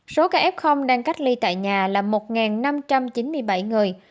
số ca f đang cách ly tại nhà là một năm trăm chín mươi bảy người